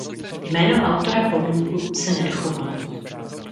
Jméno autora pomníku se nedochovalo.